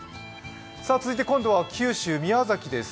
続いて今度は九州・宮崎です。